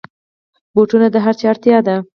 بوټونه د هرچا اړتیا ده.